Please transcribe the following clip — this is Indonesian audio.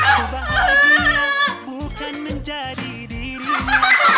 aku bahagia bukan menjadi dirinya